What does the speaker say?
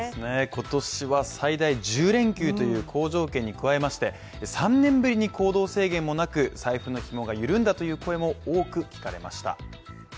今年は最大１０連休という好条件に加えまして３年ぶりに行動制限もなく、財布の紐が緩んだという声も多く聞かれました。